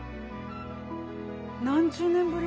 何十年ぶりです。